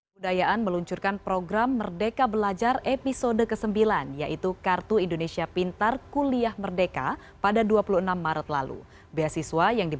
kepada kepada kepada